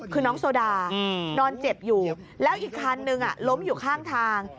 คือน้องโซดานอนเจ็บอยู่แล้วอีกคันนึงล้มอยู่ข้างทาง